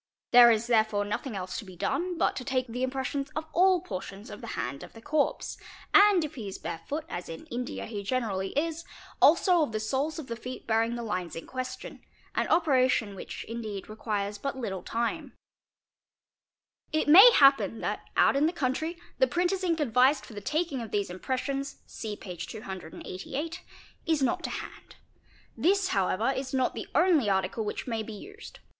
There is therefore nothing else to be done but to take the impressions of all portions of the hand of the corpse, and if he is barefoot, as in India he generally is, also of the soles of the feet bearing the lines in question, an operation which indeed requires 'but little time ©,_ It may happen that out in the country the printer's ink advised for the taking of these impressions (see p. 288) is not to hand. This how ever is not the only article which may be used.